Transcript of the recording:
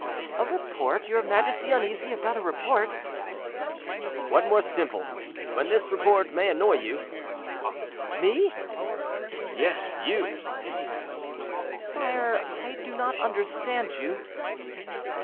"A report; your majesty uneasy about a report?" "What more simple; when this report may annoy you." "Me?"—"Yes, you." "Sire, I do not understand you."